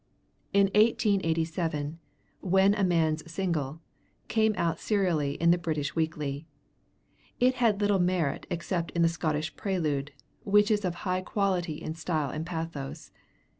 In 1887 'When a Man's Single' came out serially in the British Weekly; it has little merit except in the Scottish prelude, which is of high quality in style and pathos.